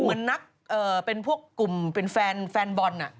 เหมือนนักเป็นพวกกลุ่มเป็นแฟนบอล